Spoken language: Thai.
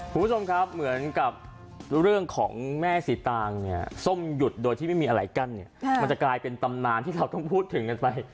ผู้ชมครับเหมือนกับเรื่องของแม่สีตาง